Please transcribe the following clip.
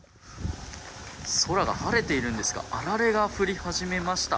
空が晴れているんですがあられが降り始めました。